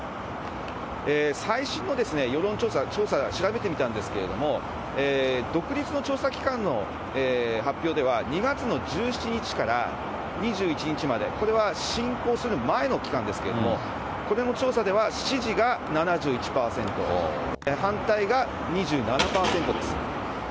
最新の世論調査、調べてみたんですけれども、独立の調査機関の発表では、２月の１７日から２１日まで、これは侵攻する前の期間ですけれども、これの調査では、支持が７１％、反対が２７％です。